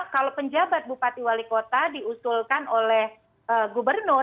kalau penjabat bupati wali kota diusulkan oleh gubernur